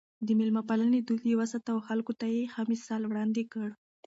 د مېلمه پالنې دود يې وساته او خلکو ته يې ښه مثال وړاندې کړ.